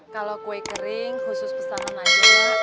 kalau kue kering khusus pesanan aja